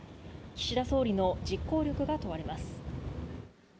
岸田総理の実行力が問われます。